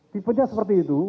tipenya seperti itu